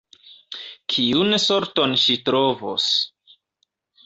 Kiun sorton ŝi trovos?